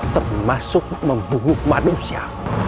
termasuk membungkuk manusia